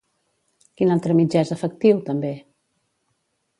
Quin altre mitjà és efectiu, també?